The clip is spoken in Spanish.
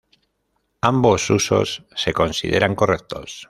Ambos usos se consideran correctos.